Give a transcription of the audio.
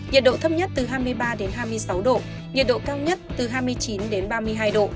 nhiệt độ thấp nhất từ hai mươi ba đến hai mươi sáu độ nhiệt độ cao nhất từ hai mươi chín đến ba mươi hai độ